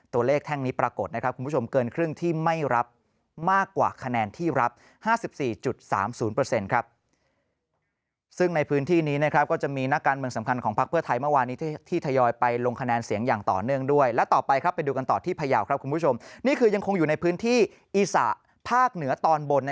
แท่งนี้ปรากฏนะครับคุณผู้ชมเกินครึ่งที่ไม่รับมากกว่าคะแนนที่รับ๕๔๓๐ครับซึ่งในพื้นที่นี้นะครับก็จะมีนักการเมืองสำคัญของพักเพื่อไทยเมื่อวานนี้ที่ทยอยไปลงคะแนนเสียงอย่างต่อเนื่องด้วยและต่อไปครับไปดูกันต่อที่พยาวครับคุณผู้ชมนี่คือยังคงอยู่ในพื้นที่อีสะภาคเหนือตอนบน